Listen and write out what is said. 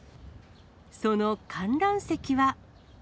その観覧席は。